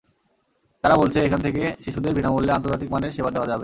তারা বলছে, এখান থেকে শিশুদের বিনা মূল্যে আন্তর্জাতিক মানের সেবা দেওয়া যাবে।